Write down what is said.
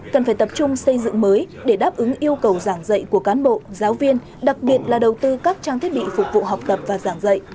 cần phải tập trung xây dựng mới để đáp ứng yêu cầu giảng dạy của cán bộ giáo viên đặc biệt là đầu tư các trang thiết bị phục vụ học tập và giảng dạy